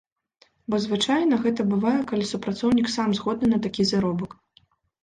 Бо звычайна, гэта бывае, калі супрацоўнік сам згодны на такі заробак.